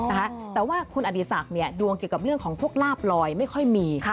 แต่ว่าคุณอดีศักดิ์เนี่ยดวงเกี่ยวกับเรื่องของพวกลาบลอยไม่ค่อยมี